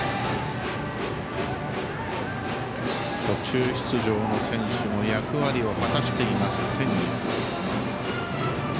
途中出場の選手も役割を果たしています天理。